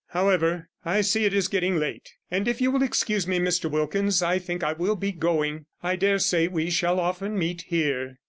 However, I see it is getting late, and if you will excuse me, Mr Wilkins, I think I will be going. I dare say we shall often meet here.'